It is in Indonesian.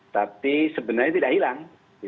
tapi sebenarnya tidak hilang